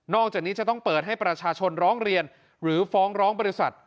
จากนี้จะต้องเปิดให้ประชาชนร้องเรียนหรือฟ้องร้องบริษัท